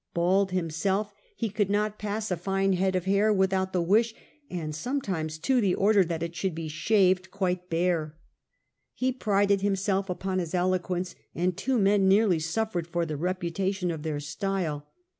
Bald himself, he could not pass a Planned great schemes. A. I). 37 41 . Caligiila^ 75 fine head of hair without the wish and sometimes too the order that it should be shaved quite bare. He prided himself upon his eloquence, and two men nearly suffered for the reputation of their style.